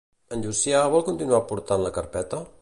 En Llucià vol continuar portant la carpeta?